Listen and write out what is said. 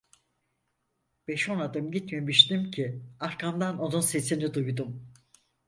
Beş on adım gitmemiştim ki, arkamdan onun sesini duydum.